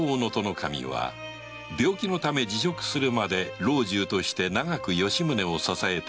守は病気のため辞職するまで老中として長く吉宗を支えた功労者であった